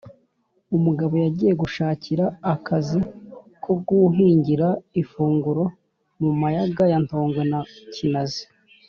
Umugabo yagiye gushakira akazi ko guhingira ifunguro mu mayaga ya Ntongwe na Kinazi